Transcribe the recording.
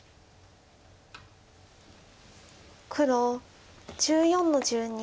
黒１４の十二。